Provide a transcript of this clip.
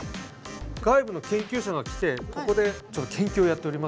外部の研究者が来てここで研究をやっておりますので。